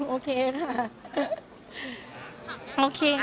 โอเคค่ะ